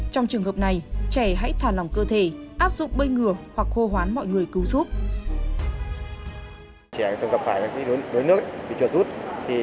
trong trường hợp này trẻ hãy thả lòng cơ thể áp dụng bơi ngửa hoặc hô hoán mọi người cứu giúp